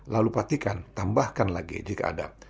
lalu pastikan tambahkan lagi jika ada